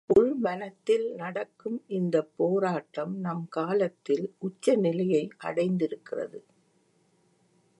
உள்மனத்தில் நடக்கும் இந்தப் போராட்டம் நம் காலத்தில் உச்ச நிலையை அடைந்திருக்கிறது.